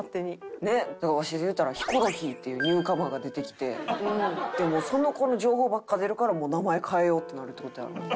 だからわしで言うたらヒコロヒーっていうニューカマーが出てきてもうその子の情報ばっかり出るから名前変えようってなるって事やろ？